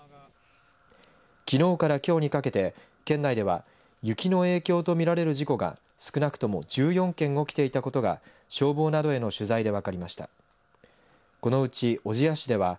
きのうから、きょうにかけて県内では雪の影響と見られる事故が少なくとも１４件起きていたことが消防などへの取材で分かりました。